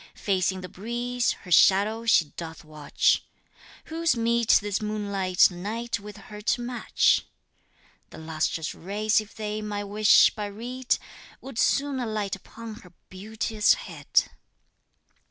Facing the breeze, her shadow she doth watch, Who's meet this moonlight night with her to match? The lustrous rays if they my wish but read Would soon alight upon her beauteous head!